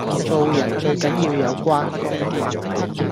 做人最緊要有關公